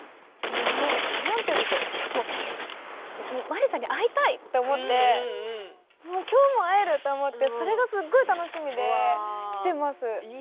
何て言うんでしょうマリさんに会いたいって思って今日も会えるって思ってそれがすごい楽しみで来ています。